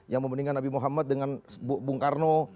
yang membandingkan nabi muhammad dengan bung karno